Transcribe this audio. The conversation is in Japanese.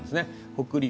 北陸